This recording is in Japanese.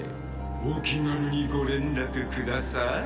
「お気軽にご連絡ください」